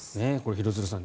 廣津留さん